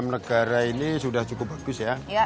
enam negara ini sudah cukup bagus ya